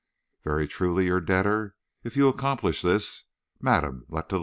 "Very truly your debtor, if you accomplish this, MADAME LETELLIER."